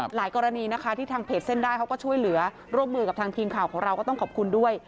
หลายกรณีนะคะที่ทางเพจเส้นได้เขาก็ช่วยเหลือร่วมมือกับทางทีมข่าวของเราก็ต้องขอบคุณด้วย